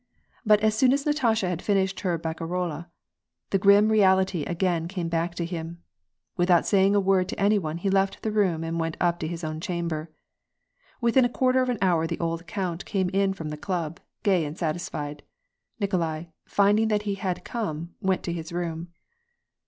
But as soon as Natasha had finished her bacarole, the grim reality again came back to him. Without saying a word to any one, he left the room and went up to his own chamber. Within a quarter of an hour the old count came in from the club, gay and satisfied. Nikolai, find ing that he had come, went to his room.